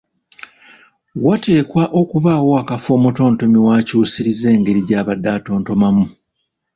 Wateekwa okubaawo akafo omutontomi w’akyusiriza engeri gy’abadde atontomamu,